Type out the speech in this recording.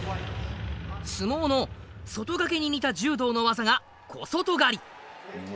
相撲の外掛けに似た柔道の技が小外刈り。